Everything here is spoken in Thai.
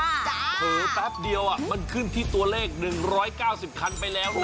โอ้โหแป๊บเดียวมันขึ้นที่ตัวเลข๑๙๐คันไปแล้วนะ